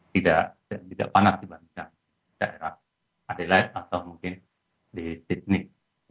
jadi tidak panas di barisan daerah adelaide atau mungkin di sydney